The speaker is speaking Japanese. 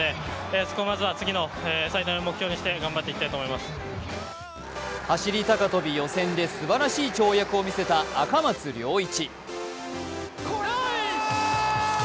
地元のファンは走高跳予選ですばらしい跳躍を見せた赤松諒一。